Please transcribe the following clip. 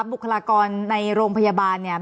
บุคลากรในโรงพยาบาลเนี่ย